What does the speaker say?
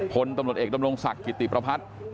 พลตำรวจเอกดำรงศักดิ์กิติประพัฒน์